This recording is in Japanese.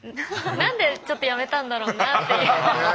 何でちょっとやめたんだろうなっていう。